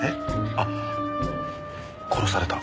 あっ殺された？